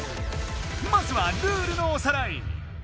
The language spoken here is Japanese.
まずはルールのおさらい！